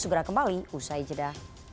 segera kembali usai jeda